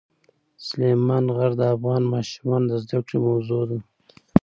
سلیمان غر د افغان ماشومانو د زده کړې موضوع ده.